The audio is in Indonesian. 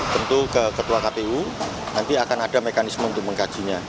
tentu ke ketua kpu nanti akan ada mekanisme untuk mengkajinya